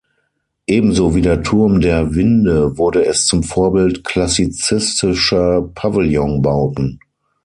Ebenso wie der Turm der Winde wurde es zum Vorbild klassizistischer Pavillonbauten.